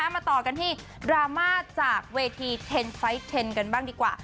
มาต่อกันที่ดราม่าจากเวทีเทนไฟท์เทนกันบ้างดีกว่า